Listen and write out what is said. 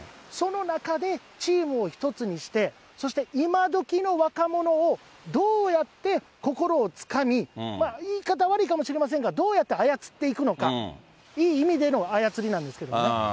その中で、チームを一つにして、そして、今どきの若者を、どうやって心をつかみ、言い方悪いかもしれませんが、どうやって操っていくのか、いい意味での操りなんですけどね。